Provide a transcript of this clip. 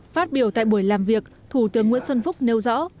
phát biểu tại buổi làm việc thủ tướng nguyễn xuân phúc nêu rõ